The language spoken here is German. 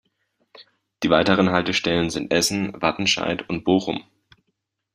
Die weiteren Haltestellen sind Essen, Wattenscheid und Bochum.